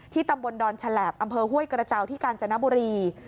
ตำบลดอนฉลาบอำเภอห้วยกระเจ้าที่กาญจนบุรี